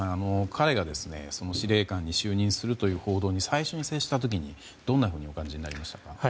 彼が司令官に就任するという報道に最初に接した時にどんなふうにお感じになりましたか。